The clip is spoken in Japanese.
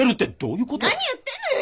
何言ってんのよ